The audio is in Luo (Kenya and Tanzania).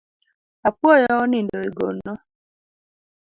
Apuoyo onindo e gono